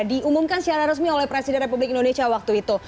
diumumkan secara resmi oleh presiden republik indonesia waktu itu